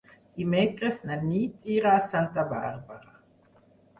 Dimecres na Nit irà a Santa Bàrbara.